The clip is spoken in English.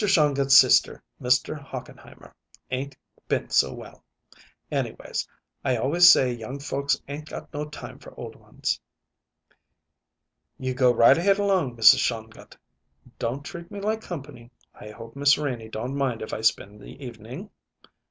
Shongut's sister, Mr. Hochenheimer, 'ain't been so well. Anyways, I always say young folks 'ain't got no time for old ones." "You go right ahead along, Mrs. Shongut. Don't treat me like company. I hope Miss Renie don't mind if I spend the evening?"